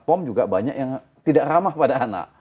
pom juga banyak yang tidak ramah pada anak